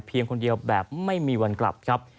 เพียงคนเดียวแบบไม่มีวันกลับ